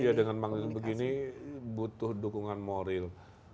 iya dengan manggil begini butuh dukungan moral